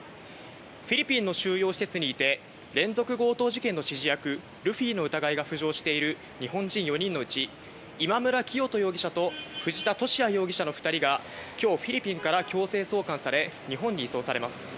フィリピンの収容施設にいて、連続強盗事件の指示役・ルフィの疑いが浮上している日本人４人のうち、今村磨人容疑者と藤田聖也容疑者の２人が今日フィリピンから強制送還され、日本に移送されます。